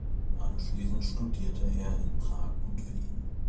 Anschließend studierte er in Prag und Wien.